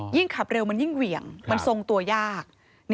ขับเร็วมันยิ่งเหวี่ยงมันทรงตัวยาก